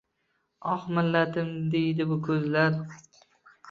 Oh, millatim, deydi bu koʻzlar.